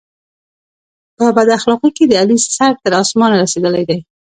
په بد اخلاقی کې د علي سر تر اسمانه رسېدلی دی.